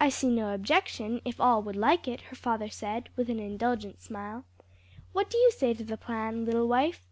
"I see no objection if all would like it," her father said, with an indulgent smile. "What do you say to the plan, little wife?"